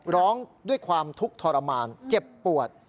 ร้องด้วยความทุกข์ทรมานเจ็บปวด